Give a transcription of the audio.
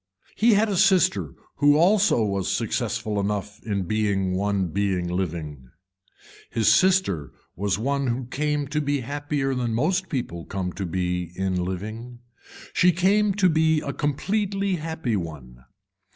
He had a sister who also was successful enough in being one being living. His sister was one who came to be happier than most people come to be in living. She came to be a completely happy one.